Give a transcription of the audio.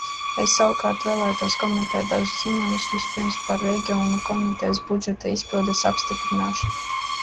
Es savukārt vēlētos komentēt dažus ziņojumus, vispirms par Reģionu komitejas budžeta izpildes apstiprināšanu.